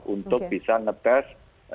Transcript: untuk bisa ngetes